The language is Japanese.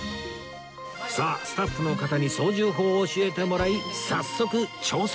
さあスタッフの方に操縦法を教えてもらい早速挑戦！